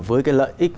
với cái lợi ích